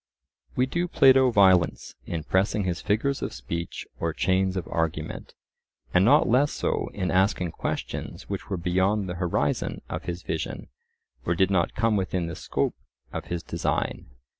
We do Plato violence in pressing his figures of speech or chains of argument; and not less so in asking questions which were beyond the horizon of his vision, or did not come within the scope of his design.